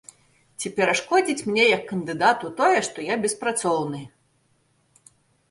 Ці перашкодзіць мне як кандыдату тое, што я беспрацоўны?